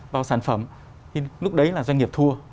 vào sản phẩm thì lúc đấy là doanh nghiệp thua